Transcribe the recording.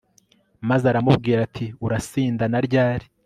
maze aramubwira ati urasinda na ryari